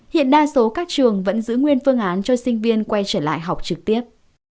hiện đa số các trường vẫn giữ nguyên phương án cho sinh viên quay trở lại học trực tiếp